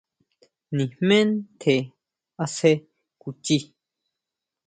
Nijmé ntjen asje kuchii.